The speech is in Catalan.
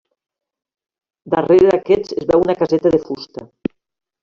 Darrere d'aquests es veu una caseta de fusta.